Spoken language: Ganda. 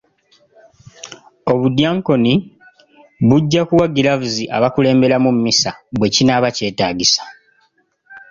Obudyankoni bujja kuwa giraavuzi abakulemberamu mmisa bwe kinaaba kyetaagisa.